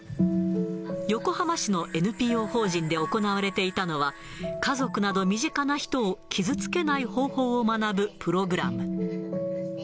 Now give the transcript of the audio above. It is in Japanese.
横浜市のＮＰＯ法人で行われていたのは、家族など、身近な人を傷つけない方法を学ぶプログラム。